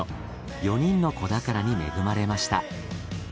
４人の子宝に恵まれました。